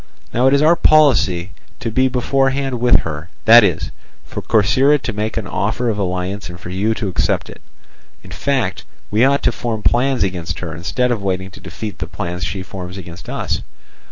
Now it is our policy to be beforehand with her—that is, for Corcyra to make an offer of alliance and for you to accept it; in fact, we ought to form plans against her instead of waiting to defeat the plans she forms against us.